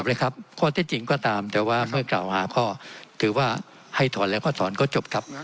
เลยครับข้อเท็จจริงก็ตามแต่ว่าเมื่อกล่าวหาก็ถือว่าให้ถอนแล้วก็ถอนก็จบครับ